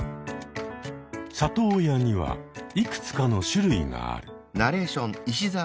里親にはいくつかの種類がある。